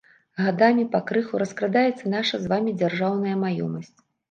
Гадамі пакрыху раскрадаецца наша з вамі дзяржаўная маёмасць.